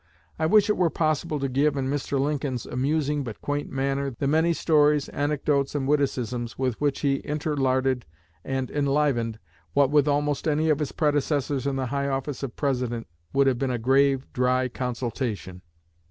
I wish it were possible to give, in Mr. Lincoln's amusing but quaint manner, the many stories, anecdotes, and witticisms with which he interlarded and enlivened what with almost any of his predecessors in the high office of President would have been a grave, dry consultation.